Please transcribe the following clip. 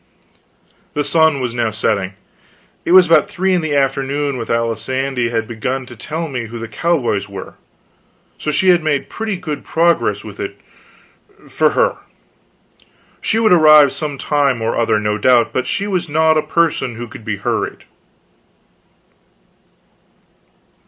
The sun was now setting. It was about three in the afternoon when Alisande had begun to tell me who the cowboys were; so she had made pretty good progress with it for her. She would arrive some time or other, no doubt, but she was not a person who could be hurried.